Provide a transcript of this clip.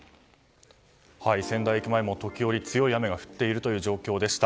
仙台駅前も時折強い雨が降っているという状況でした。